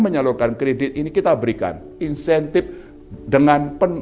menyalurkan kredit ini kita berikan insentif dengan penuh